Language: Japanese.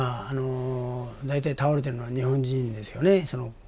大体倒れてるのは日本人ですよね